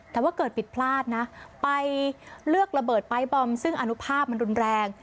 แต่ว่าเกิดผิดพลาดนะไปเลือกระเบิดปลายบอมซึ่งอนุภาพมันรุนแรง